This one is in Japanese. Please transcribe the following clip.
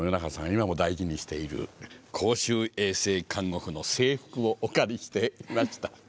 今も大事にしている公衆衛生看護婦の制服をお借りしてきました。